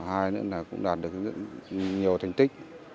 hai nữa là cũng đạt được nhiều thành tích